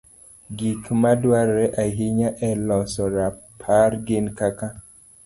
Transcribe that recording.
Gik ma dwarore ahinya e loso rapar gin kaka: